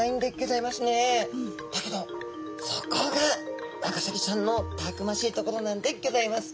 だけどそこがワカサギちゃんのたくましいところなんでギョざいます。